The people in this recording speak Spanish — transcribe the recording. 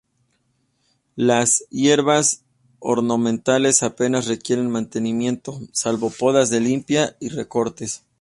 Las hierbas ornamentales apenas requieren mantenimiento, salvo podas de limpieza o recortes.